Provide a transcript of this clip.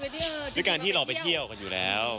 ด้วยการที่เราไปเที่ยวกันอยู่แล้ว